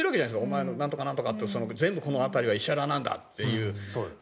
お前のなんとかなんとかって全部この辺りは石原なんだっていう。